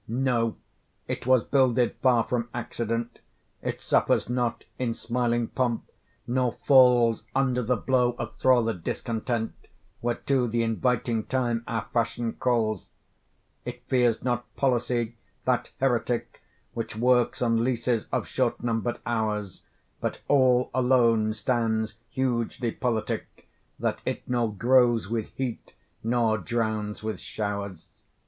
No, it was builded far from accident; It suffers not in smiling pomp, nor falls Under the blow of thralled discontent, Whereto th' inviting time our fashion calls: It fears not policy, that heretic, Which works on leases of short number'd hours, But all alone stands hugely politic, That it nor grows with heat, nor drowns with showers.